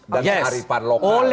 dan kearifan lokal